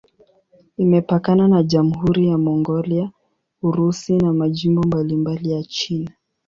Imepakana na Jamhuri ya Mongolia, Urusi na majimbo mbalimbali ya China.